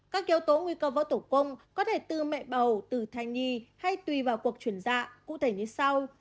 các yếu tố nguy cơ vỡ tử cung có thể từ mẹ bầu từ thai nhi hay tùy vào cuộc chuyển dạ cụ thể như sau